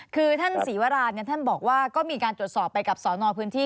คือท่านศรีวรานท่านบอกว่าก็มีการตรวจสอบไปกับสอนอพื้นที่